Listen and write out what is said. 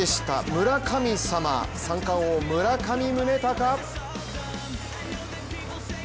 村神様、三冠王・村上宗隆。